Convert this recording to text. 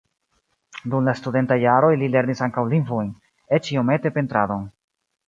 Dum la studentaj jaroj li lernis ankaŭ lingvojn, eĉ iomete pentradon.